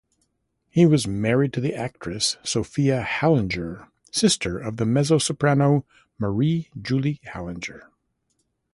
He was married to the actress, Sophia Halligner, sister of the mezzo-soprano Marie-Julie Halligner.